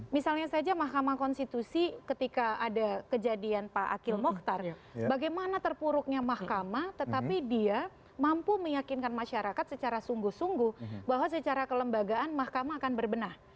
misalnya saja mahkamah konstitusi ketika ada kejadian pak akil mokhtar bagaimana terpuruknya mahkamah tetapi dia mampu meyakinkan masyarakat secara sungguh sungguh bahwa secara kelembagaan mahkamah akan berbenah